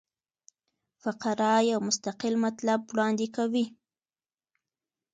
فقره یو مستقل مطلب وړاندي کوي.